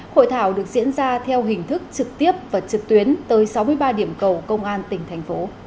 hội thảo được diễn ra theo hình thức trực tiếp và trực tuyến tới sáu mươi ba điểm cầu công an tỉnh thành phố